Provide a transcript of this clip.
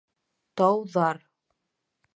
Тауҙар!